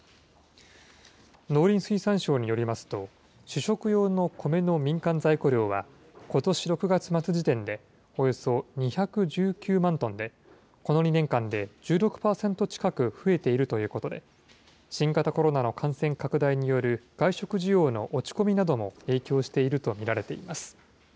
農林水産省によりますと、主食用のコメの民間在庫量は、ことし６月末時点でおよそ２１９万トンで、この２年間で１６％近く増えているということで、新型コロナの感染拡大による外食需要の落ち込みなども影響していると見られています。